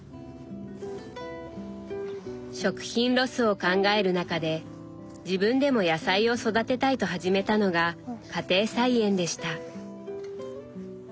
食品ロスを考える中で自分でも野菜を育てたいと始めたのが家庭菜園でした。